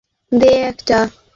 আমাকে দে একটা!